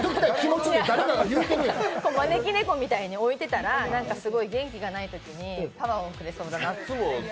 招き猫みたいに、置いてたら元気がないときにパワーをくれそうだなって。